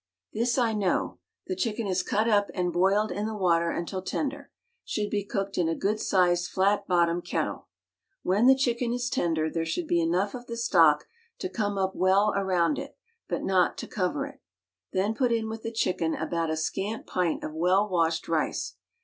This I know : The chicken is cut up and boiled in the water until tender. Should be cooked in a good sized flat bottom kettle. When the chicken is tender there should be enough of the stock to come up well around it, but not to cover it. Then put in with the chicken about a scant pint of well washed rice.